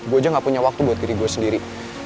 gue aja gak punya waktu buat diri gue sendiri